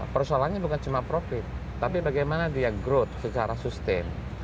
persoalannya bukan cuma profit tapi bagaimana dia growth secara sustain